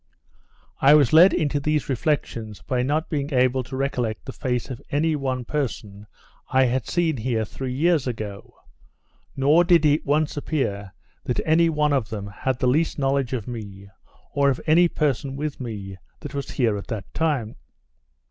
I was led into these reflections, by not being able to recollect the face of any one person I had seen here three years ago: Nor did it once appear, that any one of them had the least knowledge of me, or of any person with me that was here at that time.